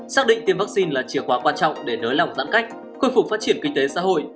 xác định tiêm vaccine là chìa khóa quan trọng để nới lỏng giãn cách khôi phục phát triển kinh tế xã hội